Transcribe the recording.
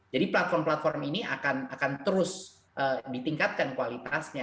jadi platform platform ini akan terus ditingkatkan kualitasnya